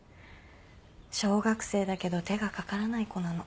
小学生だけど手がかからない子なの。